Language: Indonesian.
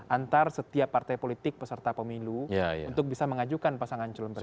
antar setiap partai politik peserta pemilu untuk bisa mengajukan pasangan calon presiden